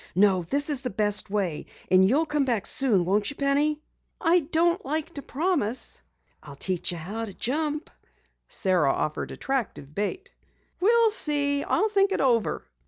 No, this is the best way. And you'll come back soon, won't you, Penny?" "I don't like to promise." "I'll teach you how to jump." Sara offered attractive bait. "We'll see. I'll think it over."